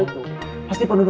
pasti penuh dengan kebenaran